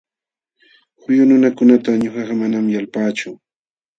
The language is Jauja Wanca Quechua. Huyu nunakunata ñuqaqa manam yalpaachu.